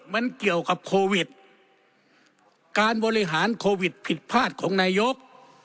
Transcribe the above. มันเกี่ยวกับโควิดการบริหารโควิดผิดพลาดของนายก